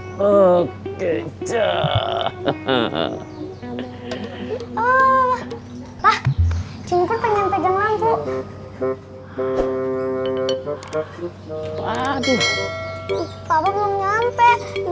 kece hahaha oh ah cinta pengen pegang lampu